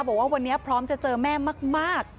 บอกว่าวันนี้พร้อมจะเจอแม่มาก